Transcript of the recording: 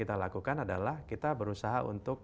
kita lakukan adalah kita berusaha untuk